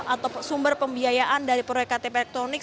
atau sumber pembiayaan dari proyek ktp elektronik